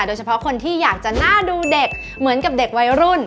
โดยเฉพาะคนที่อยากจะหน้าดูเด็กเหมือนกับเด็กวัยรุ่น